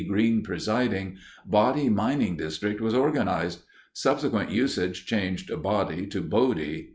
Green presiding, "Body Mining District" was organized. Subsequent usage changed "Body" to "Bodie."